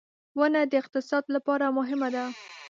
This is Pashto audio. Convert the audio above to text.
• ونه د اقتصاد لپاره مهمه ده.